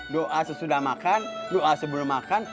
doa sesudah makan doa sebelum makan